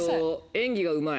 演技がうまい。